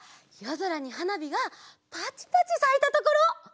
ぞらにはなびがパチパチさいたところ！